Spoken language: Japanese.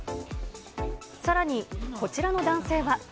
さらにこちらの男性は。